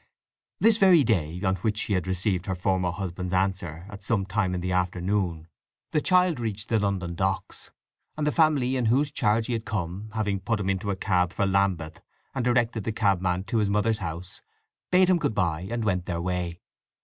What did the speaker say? This very day on which she had received her former husband's answer at some time in the afternoon, the child reached the London Docks, and the family in whose charge he had come, having put him into a cab for Lambeth and directed the cabman to his mother's house, bade him good bye, and went their way.